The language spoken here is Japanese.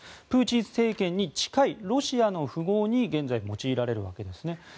プーチン政権に近いロシアの富豪に現在、用いられるわけですね。